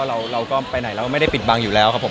เราก็ไปไหนแล้วไม่ได้ปิดบังอยู่แล้วครับผม